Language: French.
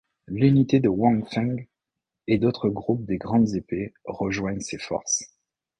L'unité de Wang Fengge et d'autres groupes des Grandes épées rejoignent ses forces.